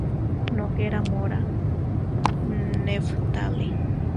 Noguera Mora, Neftalí.